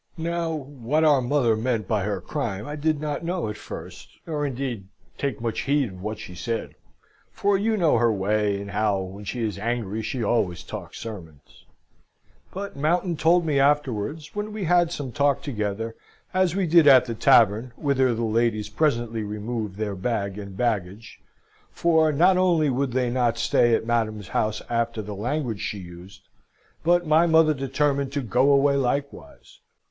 "Now, what our mother meant by her crime I did not know at first, or indeed take much heed of what she said; for you know her way, and how, when she is angry, she always talks sermons. But Mountain told me afterwards, when we had some talk together, as we did at the tavern, whither the ladies presently removed with their bag and baggage for not only would they not stay at Madam's house after the language she used, but my mother determined to go away likewise.